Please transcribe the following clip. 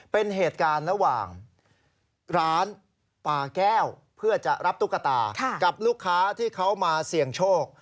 เป็นเหตุการณ์ระหว่างร้านปาแก้วเพื่อจะรับตุ๊กตากับลูกค้าที่เขามาเสี่ยงโชค